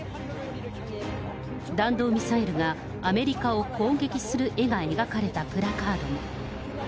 弾道ミサイルがアメリカを攻撃する絵が描かれたプラカードも。